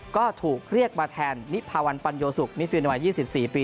ก็ถูกเรียกมาแทนนิพาวันปัญโยสุกมิฟินในวัย๒๔ปี